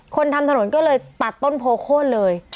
คนทำถนนก็เลยตัดต้นโพโค้นเลย